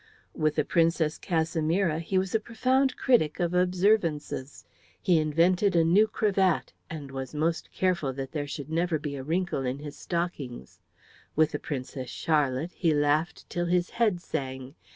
With the Princess Casimira he was a profound critic of observances: he invented a new cravat and was most careful that there should never be a wrinkle in his stockings; with the Princess Charlotte he laughed till his head sang.